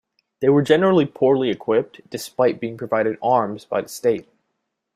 They were generally poorly-equipped, despite being provided arms by the state.